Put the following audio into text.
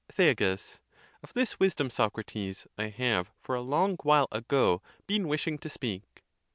Thea, Of this wisdom, Socrates, I have for a long while ago been wishing to speak.